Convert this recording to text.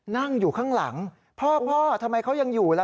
นั่งอยู่ข้างหลังพ่อพ่อทำไมเขายังอยู่ล่ะ